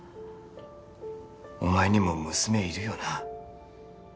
お前にも娘いるよな？